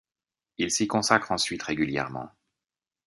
Il s'y consacre ensuite régulièrement.